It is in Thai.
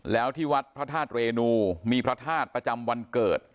แล้วที่วัดพระธาตุเรนูมีพระธาตุประจำวันเกิด